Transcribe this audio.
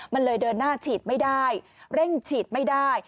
มันเลยเดินหน้าฉีดไม่ได้เร่งฉีดไม่ได้